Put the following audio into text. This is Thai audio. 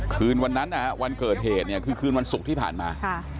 คืนวันนั้นนะฮะวันเกิดเหตุเนี่ยคือคืนวันศุกร์ที่ผ่านมา